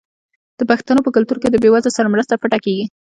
د پښتنو په کلتور کې د بې وزلو سره مرسته پټه کیږي.